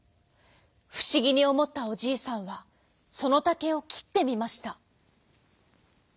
ふしぎにおもったおじいさんはそのたけをきってみました。